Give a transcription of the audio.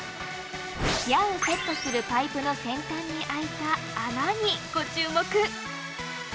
矢をセットするパイプの先端にあいた「穴」にご注目。